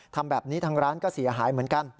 ทำแบบนี้ทางร้านก็เสียหายเหมือนกัน